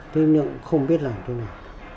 thế nhưng không biết làm thế nào